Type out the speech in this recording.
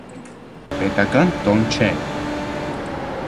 Պետական տոն չէ։